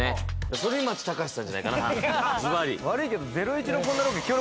反町隆史さんじゃないかな、ズバリ。